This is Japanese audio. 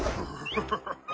ハハハハ！